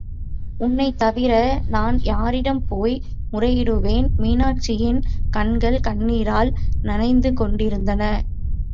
உன்னைத் தவிர, நான் யாரிடம் போய் முறையிடுவேன்! மீனாட்சியின் கண்கள் கண்ணீரால் நனைந்து கொண்டிருந்தன.